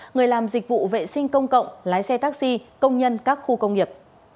người làm dịch vụ vệ sinh công cộng lái xe taxi công nhân các khu công nghiệp